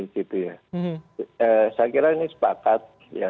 saya kira ini sepakat